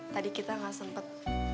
tadi kita gak sempet